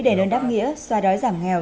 đền đơn đáp nghĩa xoay đói giảm nghèo